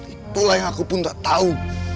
itulah yang aku pun tak tahu